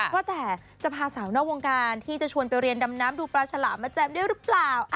ว่าแต่จะพาสาวนอกวงการที่จะชวนไปเรียนดำน้ำดูปลาฉลามมาแจมด้วยหรือเปล่า